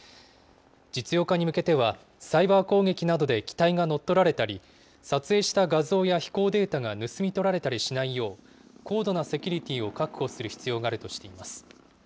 実用化に向けては、サイバー攻撃などで機体が乗っ取られたり、撮影した画像や飛行データが盗み取られたりしないよう、高度なセキュリティを確保する必要があるとしています。